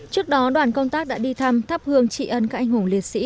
trước đó đoàn công tác đã đi thăm thắp hương trị ân các anh hùng liệt sĩ